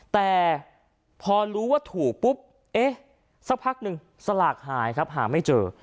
แต่พอรู้ว่าถูกปุ๊บเอ๊ะสักพักหนึ่งสลากหายครับหาไม่เจอ